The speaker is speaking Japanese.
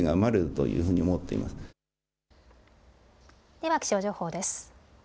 では気象情報です。